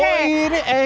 oh ini engklek ini